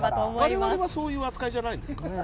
われわれはそういう扱いじゃないんですか？